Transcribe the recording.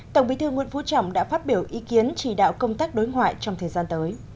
tổng bí thư nguyễn phú trọng đã phát biểu ý kiến chỉ đạo công tác đối ngoại trong thời gian tới